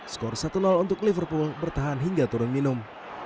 skor satu untuk liverpool bertahan hingga turun minum